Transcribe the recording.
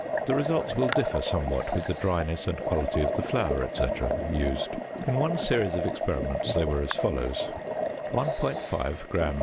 The results will differ somewhat with the dryness and quality of the flour, etc., used; in one series of experiments they were as follows: Gram.